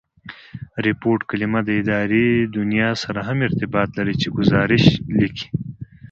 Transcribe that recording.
ریپوټ کلیمه د اداري دونیا سره هم ارتباط لري، چي ګوزارښ لیکي.